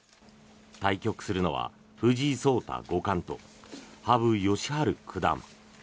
対局するのは藤井聡太五冠と羽生善治九段。